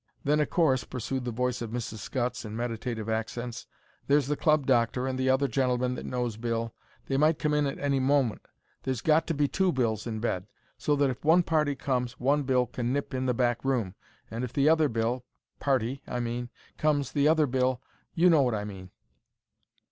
"Then o' course," pursued the voice of Mrs. Scutts, in meditative accents, "there's the club doctor and the other gentleman that knows Bill. They might come at any moment. There's got to be two Bills in bed, so that if one party comes one Bill can nip into the back room, and if the other Bill—party, I mean—comes, the other Bill—you know what I mean!"